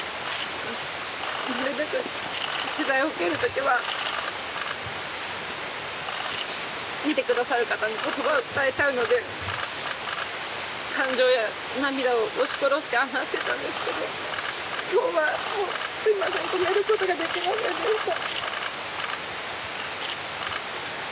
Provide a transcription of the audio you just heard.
なるべく取材を受けるときは見てくださる方に言葉を伝えたいので感情や涙を押し殺して話してたんですけど今日はすいません止めることができませんでした。